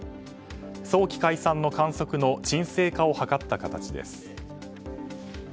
早期解散の観測の鎮静化を図った形です。